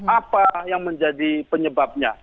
apa yang menjadi penyebabnya